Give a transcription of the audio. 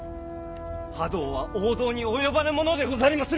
覇道は王道に及ばぬものでござりまする！